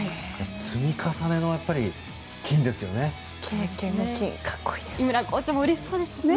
積み重ねの金ですよね。